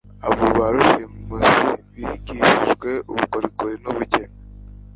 Abo ba rushimusi bigishijwe ubukorikori n'ubugeni